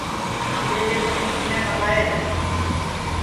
آمٻے کے چھیل کِنے ٻگائے ہے